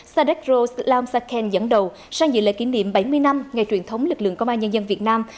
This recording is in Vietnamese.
sadéc rose lam saken dẫn đầu sang dự lễ kỷ niệm bảy mươi năm ngày truyền thống lực lượng công an nhân dân việt nam